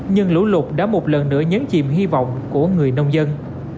nhưng lũ lụt đã một lần nữa nhấn chìm hy vọng của người nông dân